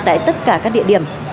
tại tất cả các địa điểm